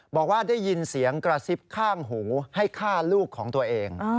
บอกว่าได้ยินเสียงกระซิบข้างหูให้ฆ่าลูกของตัวเอง